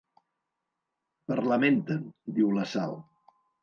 Parlamenten, diu la Sal.